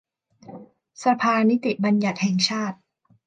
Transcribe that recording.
สภานิติบัญญติแห่งชาติ